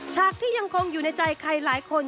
ฉากที่ยังคงอยู่ในใจใครหลายคน